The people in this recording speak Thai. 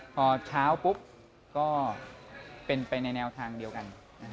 พอเช้าปุ๊บก็เป็นไปในแนวทางเดียวกัน